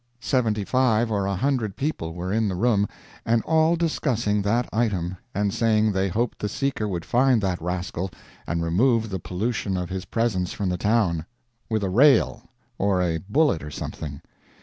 Seventy five or a hundred people were in the room, and all discussing that item, and saying they hoped the seeker would find that rascal and remove the pollution of his presence from the town with a rail, or a bullet, or something.